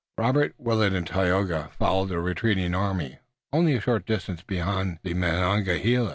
Robert, Willet and Tayoga followed the retreating army only a short distance beyond the Monongahela.